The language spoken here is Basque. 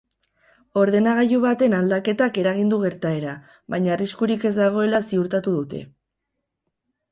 Ordenagailu baten aldaketak eragin du gertaera, baina arriskurik ez dagoela ziurtatu dute.